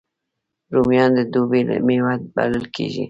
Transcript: رومیان د دوبي میوه بلل کېږي